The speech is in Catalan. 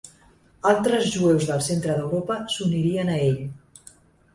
Altres jueus del centre d'Europa s'unirien a ell.